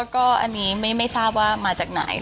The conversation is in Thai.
ก็อันนี้ไม่ทราบว่ามาจากไหน